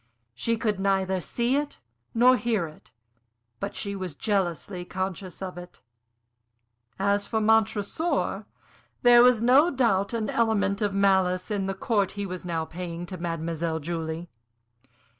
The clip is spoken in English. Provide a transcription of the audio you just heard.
She could neither see it nor hear it, but she was jealously conscious of it. As for Montresor, there was no doubt an element of malice in the court he was now paying to Mademoiselle Julie.